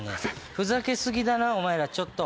ふざけ過ぎだなお前らちょっと。